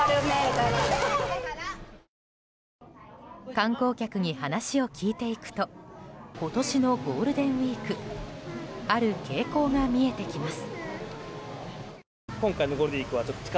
観光客に話を聞いていくと今年のゴールデンウィークある傾向が見えてきます。